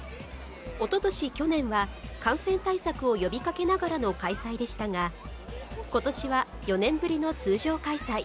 おととし、去年は感染対策を呼びかけながらの開催でしたが、ことしは４年ぶりの通常開催。